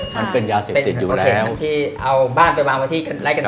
หนึ่งสองสามครับพี่ภูมิครับ